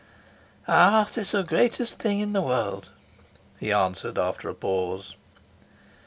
"Art is the greatest thing in the world," he answered, after a pause.